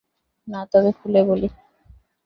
না, তবে খুলে বলি।